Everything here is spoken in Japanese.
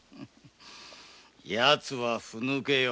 ヤツはふぬけよ。